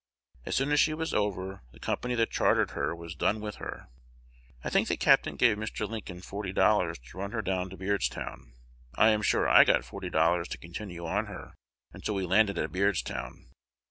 As soon as she was over, the company that chartered her was done with her. I think the captain gave Mr. Lincoln forty dollars to run her down to Beardstown. I am sure I got forty dollars to continue on her until we landed at Beardstown.